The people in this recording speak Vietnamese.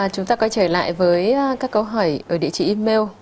chúng ta quay trở lại với các câu hỏi ở địa chỉ email